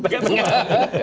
tergantung pak aamiin